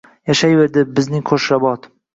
Yashayverdi bizning Qo‘shrabot.